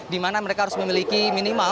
di mana mereka harus memiliki minimal